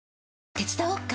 手伝おっか？